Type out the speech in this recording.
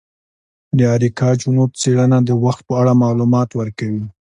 د اریکا چنووت څیړنه د وخت په اړه معلومات ورکوي.